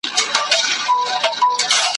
نو پیغام تر ښکلا مهم دی ,